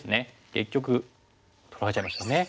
結局取られちゃいましたね。